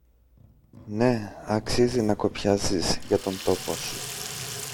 Ναι, αξίζει να κοπιάζεις για τον τόπο σου.